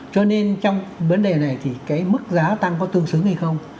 cho nên trong vấn đề này thì cái mức giá tăng có tương xứng hay không